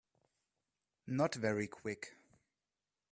Not very Quick